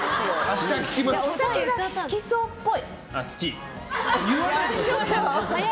お酒が好きそうっぽい。